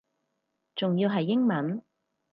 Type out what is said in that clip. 仲要係英文